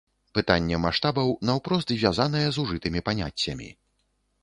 Пытанне маштабаў наўпрост звязанае з ужытымі паняццямі.